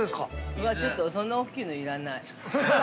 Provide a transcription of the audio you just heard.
◆うわっ、ちょっとそんな大っきいの要らない。